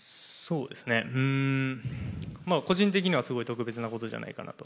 個人的には特別なことじゃないかなと。